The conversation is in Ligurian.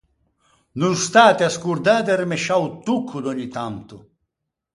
No stâte à ascordâ de remesciâ o tocco d’ògni tanto!